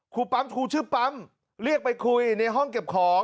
ครูปั๊มครูชื่อปั๊มเรียกไปคุยในห้องเก็บของ